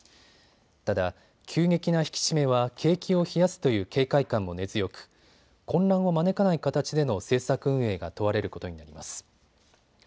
ただ、急激な引き締めは景気を冷やすという警戒感も根強く、混乱を招かない形での政策運営が問われることになります。